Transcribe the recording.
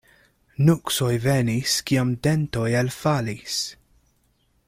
Nuksoj venis, kiam dentoj elfalis.